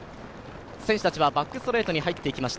選手たちはバックストレートに入ってきました。